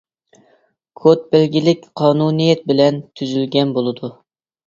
كود بەلگىلىك قانۇنىيەت بىلەن تۈزۈلگەن بولىدۇ.